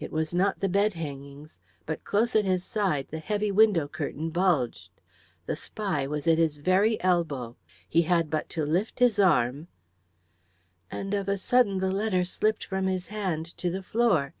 It was not the bed hangings, but close at his side the heavy window curtain bulged. The spy was at his very elbow; he had but to lift his arm and of a sudden the letter slipped from his hand to the floor.